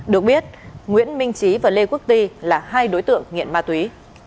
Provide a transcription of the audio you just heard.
được biết nguyễn minh trí và lê quốc ti là hai đối tượng nghiện ma túy